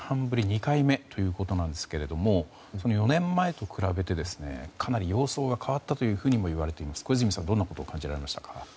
２回目ということですが４年前と比べてかなり様相が変わったともいわれていますが小泉さんは、どう感じましたか。